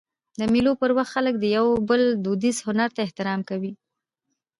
د مېلو پر وخت خلک د یو بل دودیز هنر ته احترام کوي.